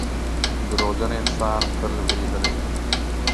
• دروغجن انسان تل وېرېدلی وي.